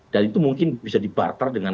dan itu mungkin bisa dibarter dengan